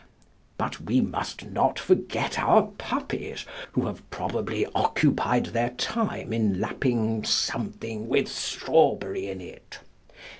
But we must not forget our Puppies, who have probably occupied their time in lapping "something with strawberry in it."